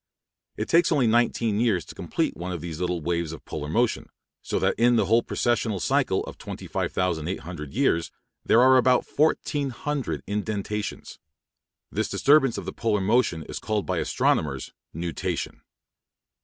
It takes only nineteen years to complete one of these little waves of polar motion, so that in the whole precessional cycle of 25,800 years there are about 1,400 indentations. This disturbance of the polar motion is called by astronomers nutation.